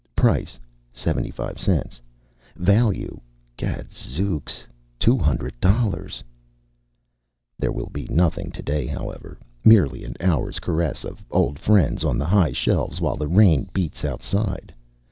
Price 75 cents; value, gadzooks, $200. There will be nothing today, however. Merely an hour's caress of old friends on the high shelves while the rain beats outside.